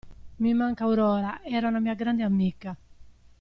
Mi manca Aurora, era una mia grande amica.